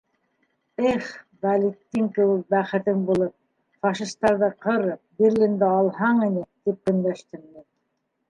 «Их, Вәлетдин кеүек, бәхетең булып, фашистарҙы ҡырып, Берлинды алһаң ине», - тип көнләштем мин.